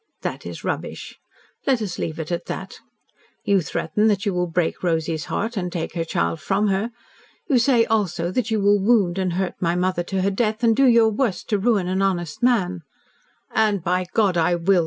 That is rubbish. Let us leave it at that. You threaten that you will break Rosy's heart and take her child from her, you say also that you will wound and hurt my mother to her death and do your worst to ruin an honest man " "And, by God, I will!"